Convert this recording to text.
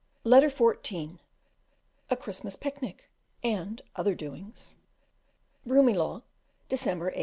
Letter XIV: A Christmas picnic, and other doings. Broomielaw, December 1866.